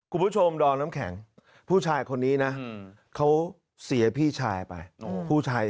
คุณผู้ชมดอมน้ำแข็งผู้ชายคนนี้นะเขาเสียพี่ชายไปผู้ชาย